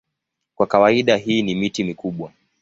Kwa kawaida hii ni miti mikubwa.